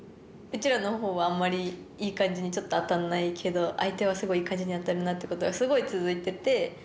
うちらの方はあんまりいい感じにちょっと当たんないけど相手はすごいいい感じに当たるなということがすごい続いてて。